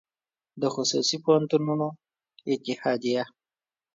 د خصوصي پوهنتونونو اتحادیه